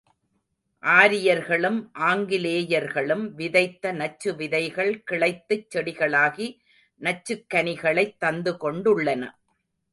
ஆரியர்களும் ஆங்கிலேயர்களும் விதைத்த நச்சு விதைகள் கிளைத்துச் செடிகளாகி நச்சுக் கனிகளைத் தந்து கொண்டுள்ளன.